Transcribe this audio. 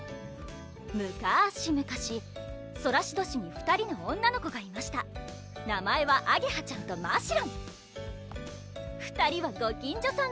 むかし昔ソラシド市に２人の女の子がいました名前はあげはちゃんとましろん２人はご近所さん